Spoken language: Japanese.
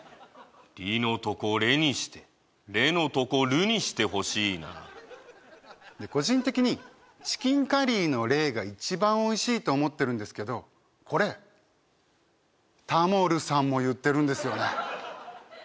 「リ」のとこ「レ」にして「レ」のとこ「ル」にしてほしいな個人的にチキンカリーのレーが一番おいしいと思ってるんですけどこれタモルさんも言ってるんですよね